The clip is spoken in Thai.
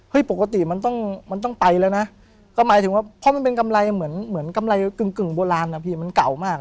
เฮ้ยปกติมันต้องไปแล้วนะก็หมายถึงว่าเพราะมันเป็นกำไรเหมือนกำไรกึ่งโบราณอ่ะพี่มันเก่ามาก